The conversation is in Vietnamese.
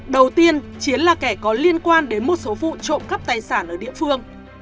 đầu tiên chiến là kẻ có liên quan đến một số vụ trộm cắp tài sản ở địa phương